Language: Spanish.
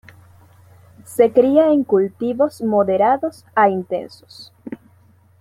Se cría en cultivos moderados a intensos.